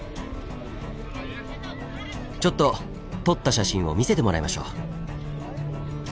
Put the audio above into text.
ちょっと撮った写真を見せてもらいましょう。